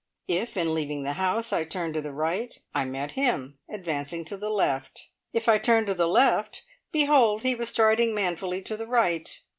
If in leaving the house I turned to the right, I met him advancing to the left. If I turned to the left, behold he was striding manfully to the right!